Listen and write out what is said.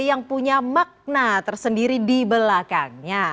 yang punya makna tersendiri di belakangnya